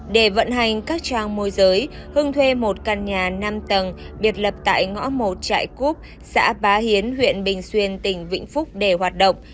để vận hành các trang môi giới hưng thuê một căn nhà năm tầng biệt lập tại ngõ một trại cúp xã bá hiến huyện bình xuyên tỉnh vĩnh phúc để hoạt động